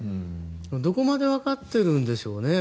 どこまでわかってるんでしょうね。